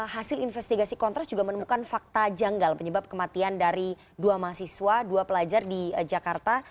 hasil investigasi kontras juga menemukan fakta janggal penyebab kematian dari dua mahasiswa dua pelajar di jakarta